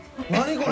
これ」